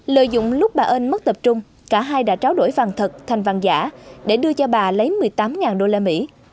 lợi dụng lúc bà ân mất tập trung cả hai đã tráo đổi vàng thật thành vàng giả để đưa cho bà lấy một mươi tám đô la mỹ